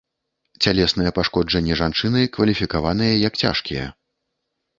Цялесныя пашкоджанні жанчыны кваліфікаваныя як цяжкія.